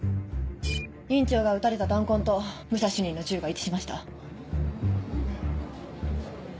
院長が撃たれた弾痕と武蔵主任の銃が一致しました。